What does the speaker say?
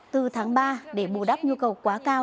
từ tháng ba để bù đắp nhu cầu quá cao